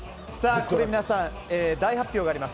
ここで大発表があります。